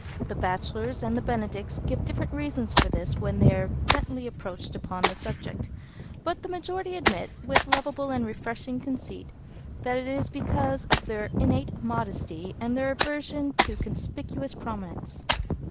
The bachelors and benedicts give different reasons for this when they are gently approached upon the subject, but the majority admit, with lovable and refreshing conceit, that it is because of their innate modesty and their aversion to conspicuous prominence.